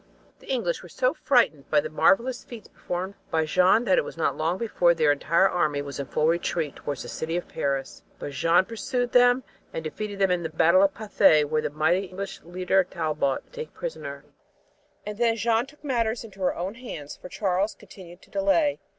The English were so frightened by the marvelous feats performed by Jeanne that it was not long before their entire army was in full retreat toward the city of Paris. But Jeanne pursued them and defeated them in the battle of Pathay, where the mighty English leader, Talbot, was taken prisoner. And then Jeanne took matters into her own hands, for Charles continued to delay.